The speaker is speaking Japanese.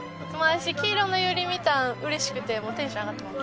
私黄色のユリ見たの嬉しくてもうテンション上がってます。